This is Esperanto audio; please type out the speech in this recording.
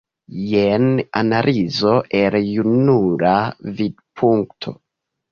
Jen analizo el junula vidpunkto.